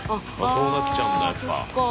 そうなっちゃうんだやっぱ。